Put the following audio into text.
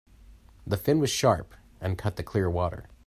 The fin was sharp and cut the clear water.